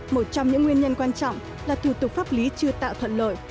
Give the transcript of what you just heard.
một trong những nguyên nhân quan trọng là thủ tục pháp lý chưa tạo thuận lợi